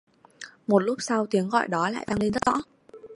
Một lúc sau tiếng gọi đó lại vang lên rất rõ